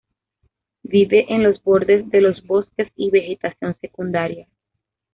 Vive en los bordes de los bosques y vegetación secundaria.